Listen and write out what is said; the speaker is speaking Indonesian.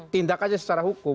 tindak aja secara hukum